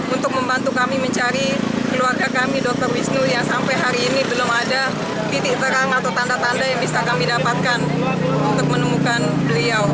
untuk membantu kami mencari keluarga kami dr wisnu yang sampai hari ini belum ada titik terang atau tanda tanda yang bisa kami dapatkan untuk menemukan beliau